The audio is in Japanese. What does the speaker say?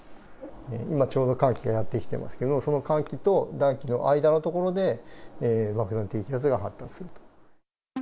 今ちょうど寒気がやって来てますけど、その寒気と暖気の間の所で、爆弾低気圧が発生する。